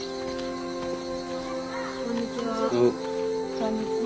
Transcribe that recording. こんにちは。